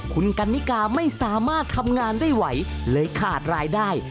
คุณกันนิกาไม่สามารถทำงานได้ไหวเลยขาดรายได้